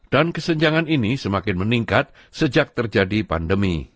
dan kesenjangan ini semakin meningkat sejak terjadi pandemi